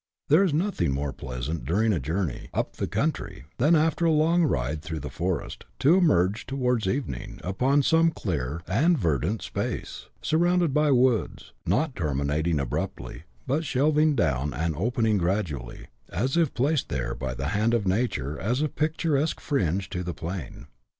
There is nothing more pleasant during a journey *' up the coun try " than, after a long ride through the forest, to emerge, towards evening, upon some clear and verdant space, surrounded by woods, not terminating abruptly, but shelving down, and opening gradually, as if placed there by the hand of nature as a pic turesque fringe to the plain.